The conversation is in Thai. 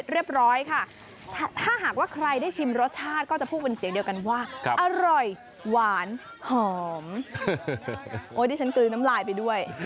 เรียกเดียวกันว่าครับอร่อยหวานหอมโอ้ยที่ฉันกลือน้ำลายไปด้วย